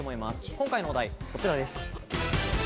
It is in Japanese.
今回のお題はこちらです。